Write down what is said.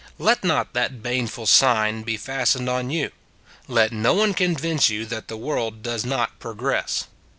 Let not that baneful sign be fastened on you : let no one convince you that the world does not progress.